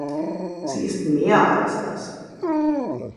Sie ist mehr als das.